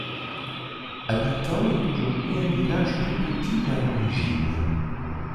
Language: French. Habitant est aujourd'hui un village plus petit qu'à l'origine.